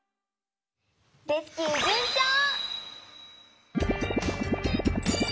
レスキューじゅんちょう！